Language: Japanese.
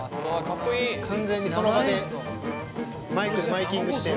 完全に、その場でマイキングして。